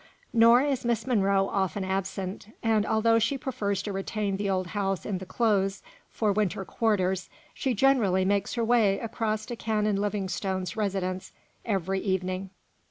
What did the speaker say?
Nor is Miss Monro often absent; and although she prefers to retain the old house in the Close for winter quarters, she generally makes her way across to Canon Livingstone's residence every evening.